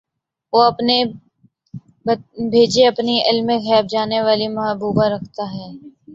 وہ اپنے پیچھے اپنی علمِغیب جاننے والی محبوبہ رکھتا ہے